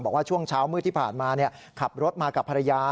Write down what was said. บอกว่าช่วงเช้ามืดที่ผ่านมาขับรถมากับภรรยา